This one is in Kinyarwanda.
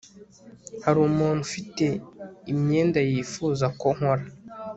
hari umuntu ufite imyenda yifuza ko nkora